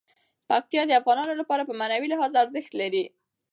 پکتیا د افغانانو لپاره په معنوي لحاظ ارزښت لري.